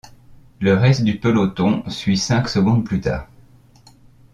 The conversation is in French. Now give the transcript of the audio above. Le reste du peloton suit cinq secondes plus tard.